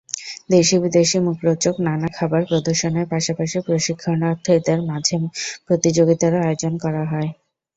দেশি-বিদেশি মুখরোচক নানা খাবার প্রদর্শনের পাশাপাশি প্রশিক্ষণার্থীদের মাঝে প্রতিযোগিতারও আয়োজন করা হয়।